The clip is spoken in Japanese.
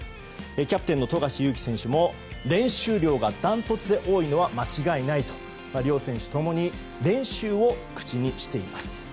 キャプテンの富樫勇樹選手も練習量がダントツで多いのは間違いないと両選手ともに練習を口にしています。